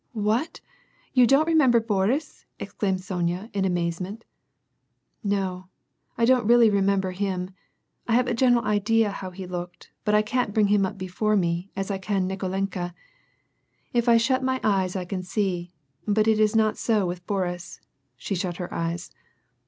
" What ? You don't remember Boris !" exclaimed Sonya, in amazement. "No, I don't really remember him. I have a general idea how he looked, but I can't bring him up before me, as I can Nikolenka. If I shut my eyes I can see, but it is not so with Boris." She shut her eyes.